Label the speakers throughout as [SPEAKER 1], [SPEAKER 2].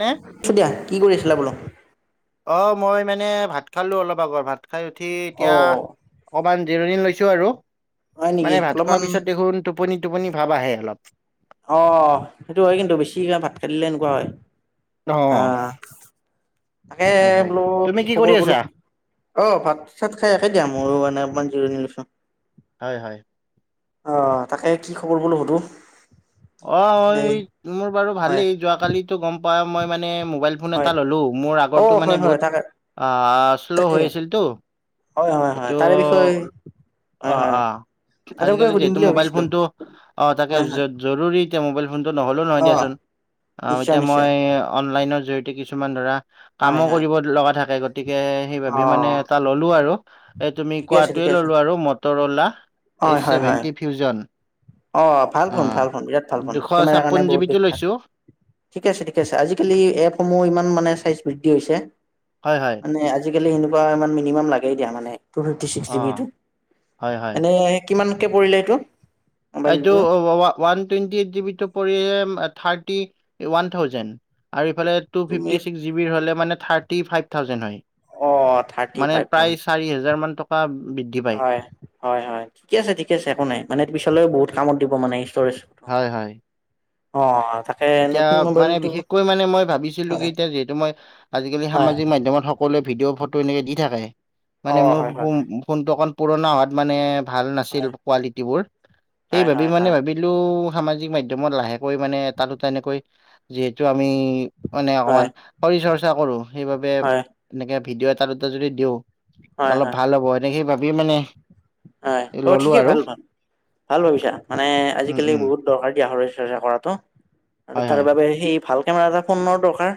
[SPEAKER 1] হে
[SPEAKER 2] য়া, দিয়া কি কৰি আছিলে বোলো।
[SPEAKER 1] অ, মই মানে ভাত খালো, অলপ আগৰ ভাত খাই উঠি
[SPEAKER 2] অ
[SPEAKER 1] এতিয়া, অকণমান জিৰণি লৈছোঁ আৰু
[SPEAKER 2] হয় নেকি
[SPEAKER 1] মানে ভাত
[SPEAKER 2] অলপমান
[SPEAKER 1] খোৱাৰ পিছত দেখোন টোপনি, টোপনি ভাব আহে অলপ।
[SPEAKER 2] অ, সেইটো হয় কিন্তু, বেছি ভাত খাই দিলে এনেকুৱা হয়।
[SPEAKER 1] অ,
[SPEAKER 2] আহ তাকে
[SPEAKER 1] হয় হয়
[SPEAKER 2] বোলো,
[SPEAKER 1] তুমি কি কৰি
[SPEAKER 2] খবৰ
[SPEAKER 1] আছা
[SPEAKER 2] বোলো অ, ভাত-চাত খাই একে দিয়া মইো মানেকমান জিৰণি লৈছো।
[SPEAKER 1] হয়, হয়।
[SPEAKER 2] অ, তাকে কি খবৰ বোলো সোধো।
[SPEAKER 1] অ, মোৰ বাৰু
[SPEAKER 2] হয়
[SPEAKER 1] ভালেই, যোৱা কালিটো গম পায়ে মই মানে মবাইল ফোন
[SPEAKER 2] হয়
[SPEAKER 1] এটা ল'লো, মোৰ
[SPEAKER 2] অ
[SPEAKER 1] আগটো
[SPEAKER 2] হয়
[SPEAKER 1] মানে
[SPEAKER 2] হয়
[SPEAKER 1] বহুত
[SPEAKER 2] তাকে
[SPEAKER 1] অ, শ্ল'
[SPEAKER 2] তাকে
[SPEAKER 1] হৈ আছিলতো।
[SPEAKER 2] হয় হয় হয়
[SPEAKER 1] এইটো
[SPEAKER 2] তাৰে বিষয়ে
[SPEAKER 1] অ,
[SPEAKER 2] হয় হয়
[SPEAKER 1] অ,
[SPEAKER 2] তাৰে
[SPEAKER 1] আজিকালি
[SPEAKER 2] বিষয়ে সুধিম
[SPEAKER 1] যিহেতু
[SPEAKER 2] বুলি
[SPEAKER 1] মোবাইল
[SPEAKER 2] ভাবিছিলো
[SPEAKER 1] ফোনটো, অ, তাকে
[SPEAKER 2] হয় হয়
[SPEAKER 1] জৰুৰী এতিয়া মোবাইল ফোনটো নহ'লে নহয়
[SPEAKER 2] অ
[SPEAKER 1] দিয়াচোন,
[SPEAKER 2] নিশ্চয়
[SPEAKER 1] এতিয়া
[SPEAKER 2] নিশ্চয়
[SPEAKER 1] মই অনলাইনৰ জৰিয়তে কিছুমান ধৰা,
[SPEAKER 2] হয়
[SPEAKER 1] কামো
[SPEAKER 2] হয়
[SPEAKER 1] কৰিব লগা থাকে, গতিকে সেই
[SPEAKER 2] অ
[SPEAKER 1] ভাবি মানে এটা ললো আৰু। এই তুমি
[SPEAKER 2] ঠিকে আছে
[SPEAKER 1] কোৱাটোৱে
[SPEAKER 2] ঠিকে আছে
[SPEAKER 1] ললো আৰু মটৰ অ'লা
[SPEAKER 2] হয়
[SPEAKER 1] এইচ,
[SPEAKER 2] হয় হয়
[SPEAKER 1] ছেভেনটি, ফিউজান।
[SPEAKER 2] অ, ভাল ফোন ভাল ফোন, বিৰাট ভাল ফোন
[SPEAKER 1] দুশ
[SPEAKER 2] কেমেৰাৰ কাৰণে
[SPEAKER 1] ছাপন্ন
[SPEAKER 2] বহুত
[SPEAKER 1] জিবিটো লৈছো
[SPEAKER 2] বিখ্যাত। ঠিকে আছে, ঠিকে আছে, আজিকালি এপসমূহ ইমান মানে চাইজ বৃদ্ধি হৈছে।
[SPEAKER 1] হয়, হয়।
[SPEAKER 2] নে আজিকালি সেনেকুৱা ইমান মিনিমাম লাগে দিয়া মানে টু ফিফটি চিক্স
[SPEAKER 1] অ
[SPEAKER 2] জি বি টো
[SPEAKER 1] হয় হয়
[SPEAKER 2] এনে কিমানকে পৰিলে এইটো?
[SPEAKER 1] এইটো
[SPEAKER 2] মোবাইলটো
[SPEAKER 1] ওৱান টুৱেন্টি এইত জি বি টো কৰিএ থাৰ্টি ওৱান থাউজেণ্ড আৰু এইফালে টু
[SPEAKER 2] তুমি
[SPEAKER 1] ফিফ্টি ছিক্স জি বিৰ হ'লে মানে থাৰ্টি ফাইভ থাউজেণ্ড হয়।
[SPEAKER 2] অ', থাৰ্টি
[SPEAKER 1] মানে
[SPEAKER 2] ফাইভ
[SPEAKER 1] প্ৰায়
[SPEAKER 2] থাউজেণ্ড
[SPEAKER 1] চাৰি হাজাৰ মান টকা বি
[SPEAKER 2] হয়, হয় হয়। ঠিকে আছে, ঠিকে আছে, একো নাই। মানে পিছলৈ বহুত কামত দিব মানে ষ্টৰেজ
[SPEAKER 1] হয়, হয়।
[SPEAKER 2] অ তাক
[SPEAKER 1] এতিয়া মানে বিশেষকৈ মানে মই ভাবিছিলো কি
[SPEAKER 2] হয়
[SPEAKER 1] এতিয়া যিহেতু মই, আজিকালি
[SPEAKER 2] হয়
[SPEAKER 1] সামাজিক মাধ্যমত হওক সকলোৱে ভিডিঅ' ফটো এনেকে দি থাকে। মানে
[SPEAKER 2] অ',
[SPEAKER 1] মোৰ
[SPEAKER 2] হয় হয়
[SPEAKER 1] ফোন
[SPEAKER 2] হয়।
[SPEAKER 1] ফোনটো অকণ পুৰণা হোৱাত মানে ভাল নাছিল
[SPEAKER 2] হয়
[SPEAKER 1] কোৱালিটিবোৰ, সেই
[SPEAKER 2] হয়
[SPEAKER 1] ভাবি
[SPEAKER 2] হয়
[SPEAKER 1] মানে
[SPEAKER 2] হয়
[SPEAKER 1] ভাবিত লোঁ, সামাজিক মাধ্যমত লাহেকৈ মানে এটা দুটা এনেকৈ, যিহেতু আমি মানে
[SPEAKER 2] হয়
[SPEAKER 1] অকমান শৰীৰ চৰ্চা কৰোঁ, সেইবাবে
[SPEAKER 2] হয়
[SPEAKER 1] এনেকে ভিডিঅ' এটা দুটা যদি দিওঁ
[SPEAKER 2] হয়
[SPEAKER 1] অলপ
[SPEAKER 2] হয়
[SPEAKER 1] ভাল হ'ব, সেনেকে সেই ভাবি মানে
[SPEAKER 2] হয়। অ'
[SPEAKER 1] ললো
[SPEAKER 2] ঠিকে,
[SPEAKER 1] আৰু
[SPEAKER 2] ভাল ভাল, ভাল ভাবিছা। মানে
[SPEAKER 1] উম
[SPEAKER 2] আজিকালি
[SPEAKER 1] উম
[SPEAKER 2] বহুত দৰকাৰ দিয়া শৰীৰ চৰ্চা কৰাটো আৰু
[SPEAKER 1] হয়
[SPEAKER 2] তাৰ
[SPEAKER 1] হয়
[SPEAKER 2] বাবে সেই ভাল কেমেৰা এটা ফোনৰ দৰকাৰ।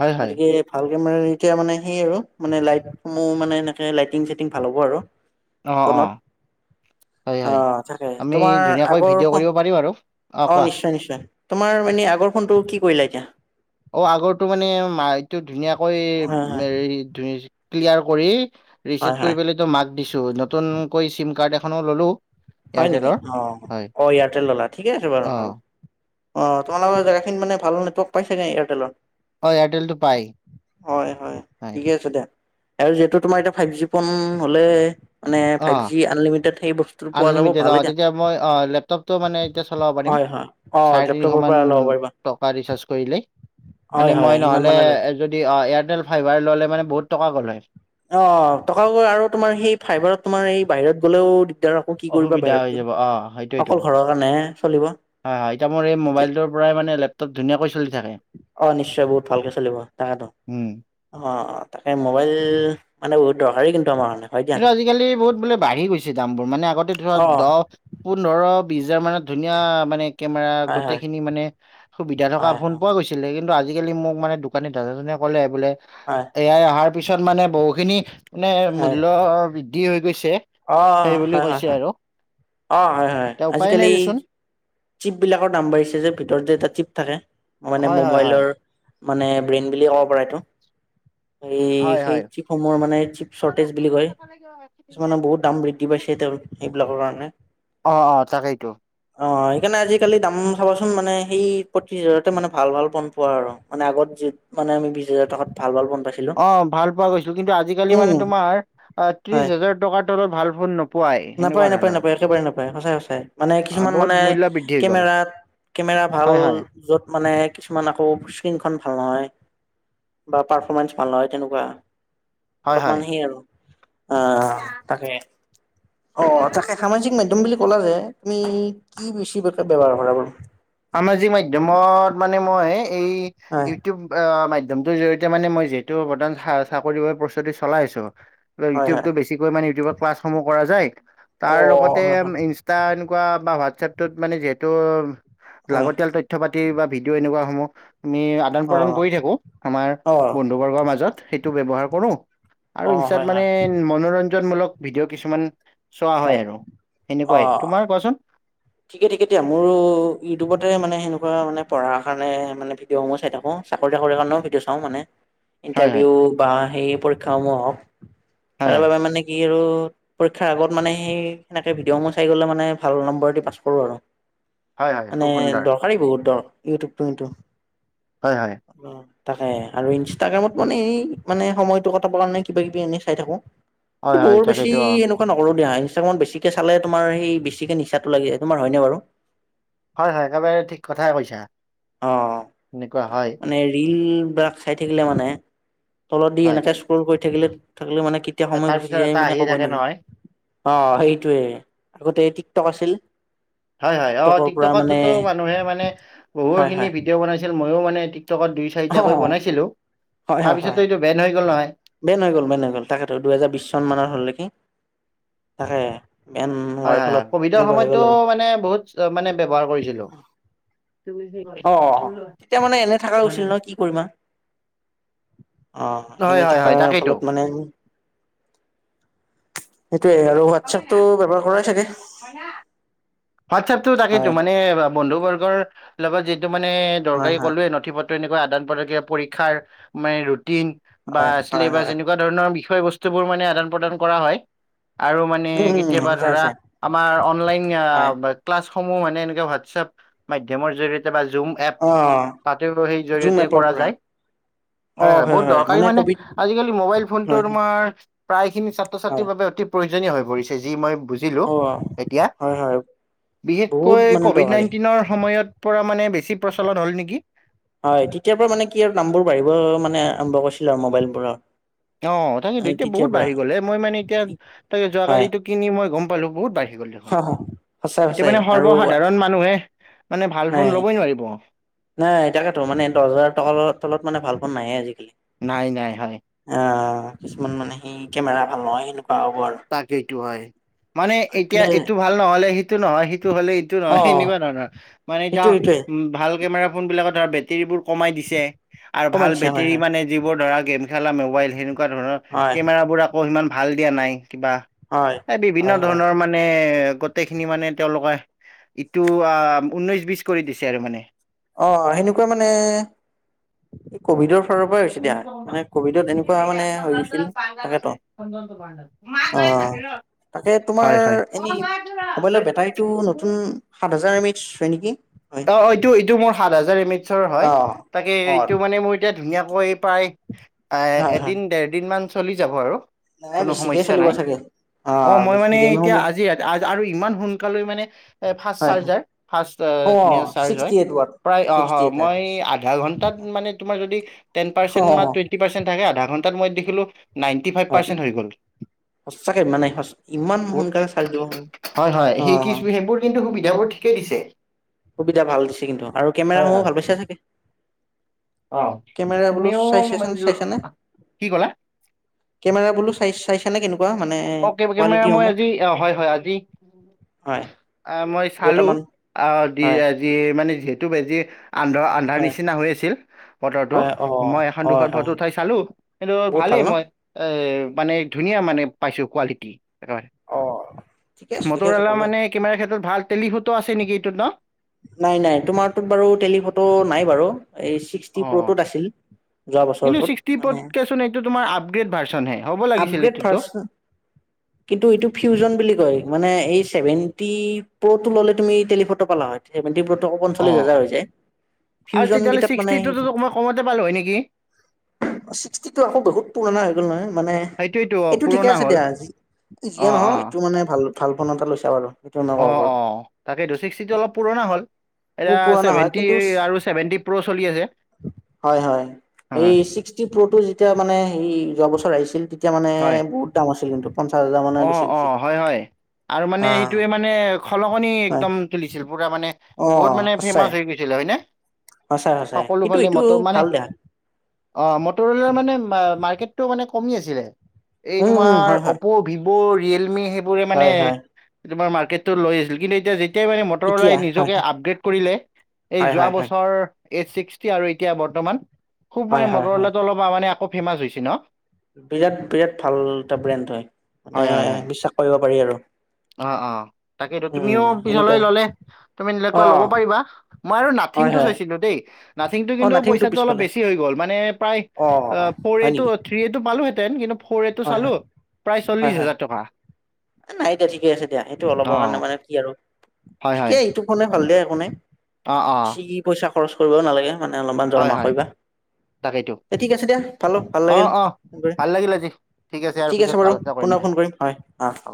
[SPEAKER 1] হয় হয়
[SPEAKER 2] গতিকে, ভাল কেমেৰা এতিয়া মানে সেই আৰু মানে লাইটসমূহ মানে এনেকে লাইটিং, চাইটিং ভাল হ'ব আৰু
[SPEAKER 1] অ, অ। হয় হয়
[SPEAKER 2] অ তাকে,
[SPEAKER 1] আমি
[SPEAKER 2] তোমাৰ
[SPEAKER 1] ধুনীয়াকৈ
[SPEAKER 2] আগৰ
[SPEAKER 1] ভিডিঅ'
[SPEAKER 2] খন,
[SPEAKER 1] কৰিব পাৰিম আৰু
[SPEAKER 2] অ নিশ্চয়, নিশ্চয়। তোমাৰ মানে আগৰ ফোনটো, কি কৰিলা এতিয়া?
[SPEAKER 1] অ' আগৰটো মানে, এইটো ধুনীয়াকৈ
[SPEAKER 2] হয় হয়
[SPEAKER 1] ক্লিয়াৰ কৰি
[SPEAKER 2] হয়
[SPEAKER 1] ৰিচেট
[SPEAKER 2] হয়
[SPEAKER 1] কৰি পেলায় এইটো মাক দিছো, নতুনকৈ চিম কাৰ্ড এখনো ললো।
[SPEAKER 2] হয় নেকি?
[SPEAKER 1] এয়াৰটেলৰ
[SPEAKER 2] অহ্,
[SPEAKER 1] হয়
[SPEAKER 2] অ' এয়াৰটেল ল'লা। ঠিকে আছে বাৰু,
[SPEAKER 1] অ
[SPEAKER 2] ভাল। অ' তোমালোকৰ জেগাখিনিত মানে ভাল নেটৱৰ্ক পাই ছাগে এয়াৰটেলৰ।
[SPEAKER 1] অ এয়াৰটেলটো পাই
[SPEAKER 2] হয়, হয়, ঠিকে আছে দিয়া। আৰু যিহেতু তোমাৰ এতিয়া ফাইভ জি ফোন হ'লে মানে,
[SPEAKER 1] অ
[SPEAKER 2] ফাইভ জি আনলিমিটেড সেই বস্তু
[SPEAKER 1] আনলিমিটেড অঁ, তেতিয়া মই অ, লেপটপটো মানে এতিয়া চলাব পাৰিম।
[SPEAKER 2] হয় হয় অ'
[SPEAKER 1] চাৰে
[SPEAKER 2] লেপটপৰ
[SPEAKER 1] তিনিশমান
[SPEAKER 2] পৰা ল'ব পাৰিবা।
[SPEAKER 1] টকা ৰিচাৰ্জ কৰিলেই,
[SPEAKER 2] হয়
[SPEAKER 1] মানে
[SPEAKER 2] হয়
[SPEAKER 1] মই
[SPEAKER 2] সিমান
[SPEAKER 1] নহ'লে
[SPEAKER 2] মানে লৈ দিয়া।
[SPEAKER 1] য দি অঁ এয়াৰটেল ফাইবাৰ ল'লে মানে বহুত টকা গ'ল হয়।
[SPEAKER 2] অ টকা গ'ল আৰু তোমাৰ সেই ফাইবাৰত তোমাৰ এই বাহিৰত গ'লেও তেতিয়া আকৌ কি কৰিবা
[SPEAKER 1] অসুবিধা
[SPEAKER 2] বাহিৰত
[SPEAKER 1] হৈ
[SPEAKER 2] গৈ!
[SPEAKER 1] যাব অ সেইটোৱেইটো
[SPEAKER 2] অকল ঘৰৰ কাৰণেহে চলিব।
[SPEAKER 1] হয় হয়, এতিয়া মোৰ এই
[SPEAKER 2] এতিয়া।
[SPEAKER 1] মোবাইলটোৰ পৰাই মানে লেপটপ ধুনীয়াকৈ চলি থাকে।
[SPEAKER 2] অ' নিশ্চয় বহুত ভালকে চলিব, তাকেতো।
[SPEAKER 1] উম
[SPEAKER 2] অ' অহ্, তাকে মোবাইল মানে বহুত দৰকাৰী কিন্তু আমাৰ কাৰনে।
[SPEAKER 1] কিন্তু আজিকালি বহুত বোলে বাঢ়ি গৈছে দামবোৰ। মানে আগতে ধৰা
[SPEAKER 2] অ'
[SPEAKER 1] দহ পোন্ধৰ বিচ হাজাৰ মানত ধুনীয়া মানে কেমেৰা
[SPEAKER 2] হয় হয়
[SPEAKER 1] গোটেইখিনি মানে সুবিধা থকা
[SPEAKER 2] হয়
[SPEAKER 1] ফোন
[SPEAKER 2] হয়
[SPEAKER 1] পোৱা গৈছিল। ছিলে। কিন্তু আজিকালি মোক মানে দোকানী দাদাজনে ক'লে, বোলে
[SPEAKER 2] হয়
[SPEAKER 1] এ আই অহাৰ পিছত মানে বহুখিনি মানে,
[SPEAKER 2] হয়
[SPEAKER 1] মূল্য বৃদ্ধি হৈ গৈছে। সেইবুলি কৈছে আৰু।
[SPEAKER 2] অঁ হয় হয়,
[SPEAKER 1] এতিয়া উপায় নাই
[SPEAKER 2] আজিকালি
[SPEAKER 1] দেচোন
[SPEAKER 2] চিপবিলাকৰ দাম বাঢ়িছে যে। ভিতৰত যে এটা চিপ থাকে। মানে
[SPEAKER 1] হয় হয় হয়
[SPEAKER 2] মোবাইলৰ মানে ব্ৰেইন বুলিয়ে ক'ব পাৰা এইটো। এই
[SPEAKER 1] হয়
[SPEAKER 2] সেই
[SPEAKER 1] হয়
[SPEAKER 2] চিপসমূহৰ মানে চিপ চৰ্টেজ বুলি কয়। কিছুমানৰ বহুত দাম বৃদ্ধি পাইছে [unintelligible] এইবিলাকৰ কাৰণে।
[SPEAKER 1] অ', অ', তাকেইতো।
[SPEAKER 2] অ', সেইকাৰণে আজিকালি দাম চাবাচোন মানে সেই পশিছ হাজাৰতহে মানে ভাল ভাল ফোন পোৱা আৰু মানে আগত যি মানে আমি বিশ হাজাৰ টকাত ভাল ভাল ফোন পাইছিলো।
[SPEAKER 1] অ', ভাল পোৱা গৈছিল কিন্তু আজিকালি
[SPEAKER 2] উম,
[SPEAKER 1] মানে তোমাৰ অ',
[SPEAKER 2] হয়।
[SPEAKER 1] ত্ৰিশ হাজাৰ টকাৰ তলত ভাল ফোন নোপো
[SPEAKER 2] নাপায় নাপায় নাপায়, একেবাৰে নাপায় সঁচাই সঁচাই, মানে
[SPEAKER 1] আ
[SPEAKER 2] কিছুমান
[SPEAKER 1] বহুত
[SPEAKER 2] মানে
[SPEAKER 1] মূল্য বৃদ্ধি হৈ গ'ল
[SPEAKER 2] কেমেৰাত কেমেৰা ভাল
[SPEAKER 1] হয় হয়
[SPEAKER 2] য'ত মানে কিছুমান আকৌ স্ক্ৰীণখন ভাল নহয়। বা পাৰফৰ্মেঞ্চ ভাল নহয় তেনেকুৱা,
[SPEAKER 1] হয় হয়
[SPEAKER 2] অলপমান সেই আৰু। আহ তাকে
[SPEAKER 1] [unintelligible]
[SPEAKER 2] অ', তাকে সামাজিক মাধ্যম বুলি কলা যে তুমি কি বেছিকে ব্যৱহাৰ কৰা বাৰু?
[SPEAKER 1] সামাজিক মাধ্যমত মানে মই এই
[SPEAKER 2] হয়
[SPEAKER 1] ইউটিউব মাধ্যমটোৰ জৰিয়তে মানে মই যিহেতু বৰ্তমান চাকৰিৰ বাবে প্ৰস্তুতি চলাই আছো
[SPEAKER 2] হয় হয়
[SPEAKER 1] ইউটিউবতো বেছিকৈ মানে ইউটিউবত ক্লাছসমূহ কৰা যায়
[SPEAKER 2] অ
[SPEAKER 1] তাৰ লগতে
[SPEAKER 2] হয় হয়
[SPEAKER 1] [unintelligible] তাৰ এনেকুৱা বা হোৱাটছএপত মানে যিহেতু
[SPEAKER 2] হয়
[SPEAKER 1] লাগতিয়াল তথ্য তথ্য পাতি বা ভিডিঅ' এনেকুৱা সমূহ আমি আদান
[SPEAKER 2] অ
[SPEAKER 1] প্ৰদান কৰি থাকো আমাৰ
[SPEAKER 2] অ
[SPEAKER 1] বন [unintelligible] বৰ্গৰ মাজত সেইটো ব্যৱহাৰ কৰো আৰু
[SPEAKER 2] অ
[SPEAKER 1] ইনষ্টাত
[SPEAKER 2] হয়
[SPEAKER 1] মানে
[SPEAKER 2] হয়
[SPEAKER 1] মনোৰঞ্জনমূলক ভিডিঅ কিছুমান চোৱা হয় আৰু
[SPEAKER 2] অ
[SPEAKER 1] সেনেকুৱাই, তোমাৰ কোৱাচোন?
[SPEAKER 2] ঠিকে ঠিকে এ দিয়া, মোৰো ইউটিউবতে মানে সেনেকুৱা মানে পঢ়াৰ কাৰণে মানে ভি ডিডিঅ' সমুহ চাই থাকো চাকৰি চাকৰি কাৰণেও ভিডিঅ' চাও মানে।
[SPEAKER 1] হয় হয়
[SPEAKER 2] ইণ্টাৰভিউ বা সেই পৰীক্ষা সমূহ হওক,
[SPEAKER 1] হয়
[SPEAKER 2] তাৰ
[SPEAKER 1] হয়।
[SPEAKER 2] বাবে মানে কি কি আৰু পৰীক্ষাৰ আগত মানে হেই সেনেকে ভিডিঅ' সমুহ চাই গলে মানে ভাল নম্বৰ দি পাছ কৰো আৰু
[SPEAKER 1] হয় হয় খুব
[SPEAKER 2] মানে
[SPEAKER 1] সুন্দৰ।
[SPEAKER 2] দৰকাৰী বহুত দ ইউটিউব কিন্তু
[SPEAKER 1] হয় হয়।
[SPEAKER 2] উম। তাকে আৰু ইনষ্টাগ্ৰামত মানে ই মানে সময়টো কটাব কাৰণে কিবা কিবি এনে চাই থাকো।
[SPEAKER 1] হয়
[SPEAKER 2] এই
[SPEAKER 1] হয়
[SPEAKER 2] বৰ বেছি
[SPEAKER 1] তাকেইতো অ
[SPEAKER 2] এনেকুৱা নকৰো দিয়া, ইনষ্টাগ্ৰামত বেছিকে চালে তোমাৰ সেই বেছিকে নিচাটো লাগি যায়। তোমাৰ হয়নে বাৰু?
[SPEAKER 1] হয় হয়, একেবাৰে ঠিক কথাই কৈছা।
[SPEAKER 2] অ'।
[SPEAKER 1] সেনেকুৱা হয়।
[SPEAKER 2] মানে ৰিল বিলাক চাই থাকিলে মানে, তলত দি
[SPEAKER 1] হয়।
[SPEAKER 2] এনেকে স্ক্ৰল কৰি থাকিলে-থাকিলে মানে কেতিয়া সময়
[SPEAKER 1] এটাৰ
[SPEAKER 2] গুচি
[SPEAKER 1] পিছত
[SPEAKER 2] যায়
[SPEAKER 1] এটা
[SPEAKER 2] মানে
[SPEAKER 1] আহিয়ে
[SPEAKER 2] ক'বই
[SPEAKER 1] থাকে
[SPEAKER 2] নোৱাৰি।
[SPEAKER 1] নহয়
[SPEAKER 2] অ', সেইটোয়ে, আগতে টিকটক আছিল
[SPEAKER 1] হয় হয় অ',
[SPEAKER 2] টিকটকৰ পৰা মানে
[SPEAKER 1] টিকটকতো মানুহে মানে
[SPEAKER 2] হয়
[SPEAKER 1] বহুতখিনি
[SPEAKER 2] হয়
[SPEAKER 1] ভিডিঅ' বনাই ময়ো মানে টিকটকত দুই
[SPEAKER 2] অ
[SPEAKER 1] চাৰিটাকৈ বনাইছিলো,
[SPEAKER 2] হয় হয়
[SPEAKER 1] তাৰপিছততো
[SPEAKER 2] হয়
[SPEAKER 1] এইটো বেন হৈ গ'ল নহয়।
[SPEAKER 2] বেন হৈ গ'ল, বেন হৈ গ'ল তাকেতো দুহেজাৰ বিশ চন মান হ'ল নেকি তাকে। বেন
[SPEAKER 1] হয়
[SPEAKER 2] হোৱাৰ
[SPEAKER 1] হয়
[SPEAKER 2] ফলত
[SPEAKER 1] হয়, কভিডৰ
[SPEAKER 2] এনেকুৱা হৈ
[SPEAKER 1] সময়তটো
[SPEAKER 2] গ'ল আৰু
[SPEAKER 1] মানে বহুত মানে ব্যৱহাৰ কৰিছিলো।
[SPEAKER 2] অ', তেতিয়া মানে এনে থাকা হৈছিল নহয় কি কৰিম অ',
[SPEAKER 1] হয়
[SPEAKER 2] এনেই
[SPEAKER 1] হয় হয়
[SPEAKER 2] থকাৰ
[SPEAKER 1] তাকেইতো।
[SPEAKER 2] ফলত মানে আমি সেইটোয়ে আৰু হোৱাটছএপতটো ব্যৱহাৰ কৰাই চাগে?
[SPEAKER 1] হোৱাটছএপতটো তাকেইতো
[SPEAKER 2] হয়
[SPEAKER 1] মানে বন্ধু বৰ্গৰ লগত যিটো মানে
[SPEAKER 2] হয়
[SPEAKER 1] দৰকাৰী
[SPEAKER 2] হয়
[SPEAKER 1] ক'লোৱে নথি পত্ৰ এইটো এনেকুৱা আদান প্ৰদান, পৰীক্ষাৰ মানে ৰুটিন বা
[SPEAKER 2] হয় হয়
[SPEAKER 1] চেলিবাছ
[SPEAKER 2] হয়
[SPEAKER 1] এনেকুৱা ধৰণৰ বিষয় বস্তুবোৰ মানে আদান প্ৰদান কৰা হয়। আৰু মানে
[SPEAKER 2] উম উম
[SPEAKER 1] কেতিয়াবা
[SPEAKER 2] সঁচা
[SPEAKER 1] ধৰা
[SPEAKER 2] সঁচা
[SPEAKER 1] আমাৰ অনলাইন
[SPEAKER 2] হয়
[SPEAKER 1] ক্লাছসমূহ মানে এনেকুৱা হোৱাটছএপ মাধ্যমৰ জৰিয়তে বা জুম এপ
[SPEAKER 2] অ
[SPEAKER 1] তাতেও সেই
[SPEAKER 2] জুম
[SPEAKER 1] জৰি়য়তে
[SPEAKER 2] এপৰ
[SPEAKER 1] কৰা
[SPEAKER 2] পৰা
[SPEAKER 1] যায়। হয় হয় বহুত দৰকাৰী মানে আজিকালি মোবাইল ফোনটো
[SPEAKER 2] হয় হয়
[SPEAKER 1] তোমাৰ প্ৰায় খিনি ছাত্ৰ
[SPEAKER 2] হয়
[SPEAKER 1] ছাত্ৰীৰ বাবে অতি প্ৰয়োজনীয় হৈ পৰিছে যি মই বুজিলোঁ
[SPEAKER 2] অ
[SPEAKER 1] এতিয়া,
[SPEAKER 2] হয় হয় বহুত
[SPEAKER 1] বিশেষকৈ
[SPEAKER 2] মানে
[SPEAKER 1] ক'ভিড
[SPEAKER 2] দৰকাৰী
[SPEAKER 1] নাইণ্টিনৰ সময়ত পৰা মানে বেছি প্ৰচলন হ'ল নিকি।
[SPEAKER 2] হয় তেতিয়াৰ পৰা মানে কি হল দাম্বোবোৰ বাঢ়িব মানে আৰম্ভ কৰিছিলো আৰু মোবাইল বোৰৰ।
[SPEAKER 1] অ তাকেতো এতিয়া বহুত বাঢ়ি গ'লে মই মানে এতিয়া তাকে যোৱাকালি
[SPEAKER 2] হয়
[SPEAKER 1] কিনি মই গম পালো বহুত বাঢ়ি গল দেখোন,
[SPEAKER 2] সঁচাই
[SPEAKER 1] এতিয়া
[SPEAKER 2] সঁচাই
[SPEAKER 1] মানে
[SPEAKER 2] আৰু
[SPEAKER 1] সৰ্বসাধাৰণ মানুহে মানে ভাল ফোন
[SPEAKER 2] নাই
[SPEAKER 1] ল'বই নোৱাৰিব।
[SPEAKER 2] নাই তাকেইতো মানে দহ হাজাৰ ট তলত মানে ভাল পোন নাহে আজিকালি।
[SPEAKER 1] নাই নাই হয়
[SPEAKER 2] আ কিছুমান মানে সি কেমেৰা ভাল নহয় সেনেকুৱা হ'ব আৰু।
[SPEAKER 1] তাকেইটো হয় মানে এতিয়া
[SPEAKER 2] এইটোৱে
[SPEAKER 1] এইটো ভাল নহ'লে সেইটো নহয় সেইটো হ'লে এইটো
[SPEAKER 2] অ
[SPEAKER 1] নহয় এনেকুৱা ধৰণৰ, মানে এতিয়া
[SPEAKER 2] এইটোৱে এইটোৱে
[SPEAKER 1] ভাল কেমেৰা ফোন বিলাকত ধৰা বেটেৰীবোৰ কমাই দিছে আৰু
[SPEAKER 2] কমাই
[SPEAKER 1] ভাল
[SPEAKER 2] দিছে হয়
[SPEAKER 1] বেটেৰী
[SPEAKER 2] হয়
[SPEAKER 1] মানে যিবোৰ ধৰা গেম খেলা মোবাইল সেনেকুৱা ধৰণৰ
[SPEAKER 2] হয়
[SPEAKER 1] কেমেৰাবোৰক আকৌ সিমান ভাল দিয়া নাই কিবা
[SPEAKER 2] হয়।
[SPEAKER 1] এই বিভিন্ন
[SPEAKER 2] হয় হয়
[SPEAKER 1] ধৰণৰ মা নে গোটেই খিনি মানে তেওঁলোকে ইটো আ উঊনৈশ বি কৰি দিছে আৰু মানে।
[SPEAKER 2] অ সেনেকুৱা মানে এই কভিডৰ ফালৰ পৰাই হৈছে দিয়া, মানে কভিডত এনেকুৱা মানে হৈ গৈছিল, তাকেতো।
[SPEAKER 1] [inaudible] মাই
[SPEAKER 2] অ।
[SPEAKER 1] বাই থাকিল ৰহ
[SPEAKER 2] তাকে তোমাৰ এনে মোবাইলৰ বেটাৰীটো নতুন সাত হাজাৰম এমেইচ হয় নেকি? হয়।
[SPEAKER 1] অ এইটো এইটো মোৰ সাত হাজাৰ এম এইচৰ হয়
[SPEAKER 2] অ
[SPEAKER 1] তাকে
[SPEAKER 2] অ
[SPEAKER 1] এইটো মানে মোৰ এতিয়া ধুনীয়াকৈ প্ৰায় আ
[SPEAKER 2] হয় হয়।
[SPEAKER 1] এদিন দেৰ দিন মান চলি যাব আৰু।
[SPEAKER 2] নাই বেছিকে চলিব চাগে। অ
[SPEAKER 1] অঁ মই মানে এতিয়া
[SPEAKER 2] গেমসমূহ
[SPEAKER 1] আজি আৰু ইমান সোনকালে মানে এ ফাৰ্ষ চাৰ্জাৰ ফাৰ্ষ আ
[SPEAKER 2] অ‌ চিষ্টি এইথ ৱৰ্ড।
[SPEAKER 1] প্ৰয়াই অ হয় মই আধা ঘন্টা মানে তোমাৰ যদি
[SPEAKER 2] অ
[SPEAKER 1] তেনপাছেন বা টুইৱেনটি পাছেন তেন থাকে আধা ঘন্টা মই দেসিলো নাইটিফাইব পাৰছেন হয় গ'ল।
[SPEAKER 2] সঁচাকৈ ইমান মানে সঁচ ইমান
[SPEAKER 1] বহুত
[SPEAKER 2] সোনকালে চাৰ্জ দিব পাৰো,
[SPEAKER 1] হয় হয়
[SPEAKER 2] অ
[SPEAKER 1] সেই কি
[SPEAKER 2] হ
[SPEAKER 1] সেইবোৰ কিন্তু সুবিধাবোৰ ঠিকেই দিছে।
[SPEAKER 2] সুবিধা ভাল দিছে কিন্ত আৰু
[SPEAKER 1] হয়
[SPEAKER 2] কেমেৰাসমূহ
[SPEAKER 1] হয়
[SPEAKER 2] ভাল পাইছে চাগে।
[SPEAKER 1] অ।
[SPEAKER 2] কেমেৰা বোলো
[SPEAKER 1] তুমিও
[SPEAKER 2] চাই চাইছে
[SPEAKER 1] মান-
[SPEAKER 2] নে
[SPEAKER 1] ল-
[SPEAKER 2] চাইছে নে
[SPEAKER 1] কি ক'লা
[SPEAKER 2] কেমেৰা বোলো চাইছ চাইছা নে কেনেুৱা মানে
[SPEAKER 1] ওকে কেমেৰাৰ মই
[SPEAKER 2] কোৱালিটিসমূহ
[SPEAKER 1] আজি হয় হয় আজি
[SPEAKER 2] হয়
[SPEAKER 1] আহ মই
[SPEAKER 2] দুই
[SPEAKER 1] চালো
[SPEAKER 2] এটামান
[SPEAKER 1] অ দি
[SPEAKER 2] হয়
[SPEAKER 1] যি মানে যিহেতু বেজি আন্ধ আ
[SPEAKER 2] হয়
[SPEAKER 1] নিচিনা হৈ আছিল বতৰটো
[SPEAKER 2] হয় অ
[SPEAKER 1] মই এখন
[SPEAKER 2] হয়
[SPEAKER 1] দুখন
[SPEAKER 2] হয়
[SPEAKER 1] ফটো উঠাই চালো কিন্তু
[SPEAKER 2] বহুত ভাল
[SPEAKER 1] ভালেই
[SPEAKER 2] ন
[SPEAKER 1] মই এ মানে ধুনীয়া মানে পাইছো কোৱালিটি হয়।
[SPEAKER 2] অ ঠিকে আছে ঠিকে আছে
[SPEAKER 1] মটোৰৱালা
[SPEAKER 2] ভালে
[SPEAKER 1] মানে কেমেৰাৰ ক্ষেত্ৰত ভাল টেলি ফটো আছে নেকি এইটোত ন?
[SPEAKER 2] নাই নাই তোমাৰটোত বাৰু টেলিফটো নাই বাৰু এই
[SPEAKER 1] অ
[SPEAKER 2] ছিক্সটি প্ৰ'টোত আছিল। যোৱা
[SPEAKER 1] কিন্তু
[SPEAKER 2] বছৰটোত
[SPEAKER 1] ছিক্সটি
[SPEAKER 2] মানে
[SPEAKER 1] পতকেচোন এইটো তোমাৰ আপগ্ৰেড ভাৰ্জন হে।
[SPEAKER 2] আপগ্ৰেড ভাৰচোন। কিন্তু এইটো ফিউজন বুলি কয় মানে এই ছেভেণ্টি প্ৰ'টো ল'লে তুমি টেলিফটো পালা হয়। এভেণ্টি বতক পঞ্চল্লিছ
[SPEAKER 1] অ
[SPEAKER 2] হাজাৰ হৈ যায়,
[SPEAKER 1] আৰু
[SPEAKER 2] ফিউজন
[SPEAKER 1] তেতিয়াহ'লে
[SPEAKER 2] কিতাপ মানে
[SPEAKER 1] ছিক্সটিটোতো তোক মই কমতে পালোঁ হয় নেকি?
[SPEAKER 2] ছিক্সটি টো আকৌ বহুত পুৰণা হৈ গ'ল নহয়। মানে
[SPEAKER 1] সেইটোৱেইটো অ'
[SPEAKER 2] এইটো ঠিকে
[SPEAKER 1] পুৰণা
[SPEAKER 2] আছে
[SPEAKER 1] হ'ল।
[SPEAKER 2] দিয়া, যিয়ে
[SPEAKER 1] অ'
[SPEAKER 2] নহও
[SPEAKER 1] অ',
[SPEAKER 2] এইটো মানে ভাল ভাল ফোন এটা লৈছা বাৰু। সেইটো মই ক'ব
[SPEAKER 1] অঁ
[SPEAKER 2] পাৰো
[SPEAKER 1] অঁ তাকেইটো চিক্টিটো অলপ পুৰণা হ'ল এয়া
[SPEAKER 2] পুৰণা হয়
[SPEAKER 1] চেভেন্টি
[SPEAKER 2] কিন্তু
[SPEAKER 1] আৰু চছেভেন্টি প্ৰ চলি আছে
[SPEAKER 2] হয় হয়
[SPEAKER 1] হ
[SPEAKER 2] [unintelligible] যেতিয়া মান যোৱা বছৰ আহিছিল তেতিয়া মানে
[SPEAKER 1] হয়,
[SPEAKER 2] বহুত ডাঙৰ আছিল- মানে
[SPEAKER 1] অ
[SPEAKER 2] গুচি
[SPEAKER 1] অ
[SPEAKER 2] গৈছিল।
[SPEAKER 1] হয় হয় আৰু মানে এইটোৱে মানে খলকনি
[SPEAKER 2] হয়
[SPEAKER 1] একদম তুলিছিল পুৰা মানে
[SPEAKER 2] অ
[SPEAKER 1] বহুত মানে ফেমাচ
[SPEAKER 2] সঁচাই
[SPEAKER 1] হৈ গৈছিলে হয়নে
[SPEAKER 2] সঁচাই সঁচাই
[SPEAKER 1] সকলো
[SPEAKER 2] কিন্তু
[SPEAKER 1] ফালে
[SPEAKER 2] ইটো
[SPEAKER 1] মটৰ মানে
[SPEAKER 2] ভাল দে
[SPEAKER 1] অ মটৰলাৰ মানে মাৰ্কেটটো মানে কমি আছিলে এই
[SPEAKER 2] উম উম হয়
[SPEAKER 1] তোমাৰ
[SPEAKER 2] হয়
[SPEAKER 1] অ ভিব [unintelligible]
[SPEAKER 2] হয় হয়
[SPEAKER 1] এতিয়া মানে মটৰ
[SPEAKER 2] এতিয়া
[SPEAKER 1] অলাই
[SPEAKER 2] হয়
[SPEAKER 1] নিজকে আপগ্ৰেড কৰিলে এই
[SPEAKER 2] হয়
[SPEAKER 1] যোৱা
[SPEAKER 2] হয় হয়
[SPEAKER 1] বছৰ এইট ছিক্সটি আৰু এতিয়া বৰ্তমান খুব
[SPEAKER 2] হয়
[SPEAKER 1] মানে
[SPEAKER 2] হয়
[SPEAKER 1] মটৰ
[SPEAKER 2] হয়
[SPEAKER 1] অলাটো অলপ মানে আকৌ ফেমাচ হৈছে ন
[SPEAKER 2] বিৰাট বিৰাট ভাল এটা ব্ৰেণ্ড হয় মানে
[SPEAKER 1] হয় হয় হয়
[SPEAKER 2] বিশ্বাস কৰিব পাৰি আৰু
[SPEAKER 1] অ অ তাকেইেতো
[SPEAKER 2] উম
[SPEAKER 1] তুমিও পিছলৈ
[SPEAKER 2] সেনেকুৱা
[SPEAKER 1] ললে তুমি
[SPEAKER 2] অ
[SPEAKER 1] তেনেকুৱা লব পাৰিবা মই আৰু
[SPEAKER 2] হয়
[SPEAKER 1] নাথিংটো
[SPEAKER 2] হয়
[SPEAKER 1] চাইছিলো দেই [unintelligible] টো
[SPEAKER 2] অ
[SPEAKER 1] কিন্তু
[SPEAKER 2] নাথিংটো
[SPEAKER 1] পইচাটো অলপ
[SPEAKER 2] পিছফালে
[SPEAKER 1] বেছি হৈ গ মানে
[SPEAKER 2] অ হয় নেকি
[SPEAKER 1] প্ৰায় টো পালোহেঁতেন কিন্তু ফ'ৰ এটো
[SPEAKER 2] হয়
[SPEAKER 1] চালো
[SPEAKER 2] হয়
[SPEAKER 1] প্ৰায়
[SPEAKER 2] হয়
[SPEAKER 1] চল্লশ
[SPEAKER 2] হয়
[SPEAKER 1] হাজাৰ টকা
[SPEAKER 2] নাই দিয়া ঠিকে আছে দিয়া সেইটো অলপৰ কাৰণে
[SPEAKER 1] অ',
[SPEAKER 2] মানে কি আৰু
[SPEAKER 1] হয়, হয়।
[SPEAKER 2] ঠিকেই ইটো ফোনে ভাল দেয় একো নাই
[SPEAKER 1] অ', অ',
[SPEAKER 2] বেছি কি পইচা খৰচ কৰিবও নালাগে মানে অলপমান
[SPEAKER 1] হয়,
[SPEAKER 2] জৰমা
[SPEAKER 1] হয়,
[SPEAKER 2] কৰিবা
[SPEAKER 1] তাকেইতো
[SPEAKER 2] এই ঠিক আছে দিয়া ভালোঁ ভাল লাগিল
[SPEAKER 1] অ', অ',
[SPEAKER 2] গৈ
[SPEAKER 1] ভাল লাগিল আজি আৰু
[SPEAKER 2] ঠিক আছে
[SPEAKER 1] পিছত
[SPEAKER 2] বাৰু
[SPEAKER 1] আলোচনা
[SPEAKER 2] পুনৰ
[SPEAKER 1] দিয়া
[SPEAKER 2] ফোন কৰিম হয় অ
[SPEAKER 1] হ'ব।